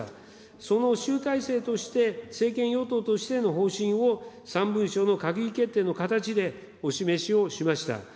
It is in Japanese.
その集大成として、政権与党としての方針を、３文書の閣議決定の形でお示しをしました。